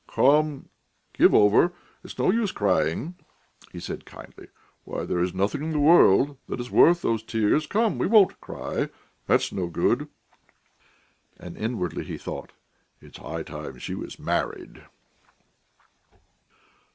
"Come, give over; it's no use crying," he said kindly. "Why, there is nothing in the world that is worth those tears. Come, we won't cry; that's no good...." And inwardly he thought: "It's high time she was married...."